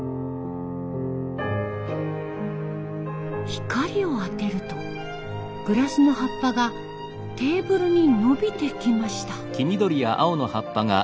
光を当てるとグラスの葉っぱがテーブルにのびてきました。